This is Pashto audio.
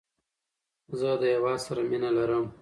زه د هیواد سره مینه لرم.